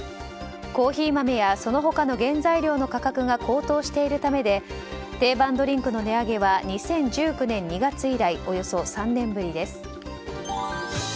コーヒー豆やその他の原材料の価格が高騰しているためで定番ドリンクの値上げは２０１９年２月以来およそ３年ぶりです。